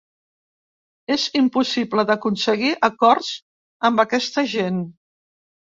És impossible d’aconseguir acords amb aquesta gent.